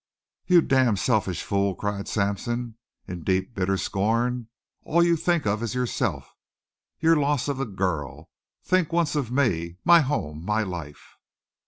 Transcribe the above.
"You damned, selfish fool!" cried Sampson, in deep, bitter scorn. "All you think of is yourself. Your loss of the girl! Think once of me my home my life!"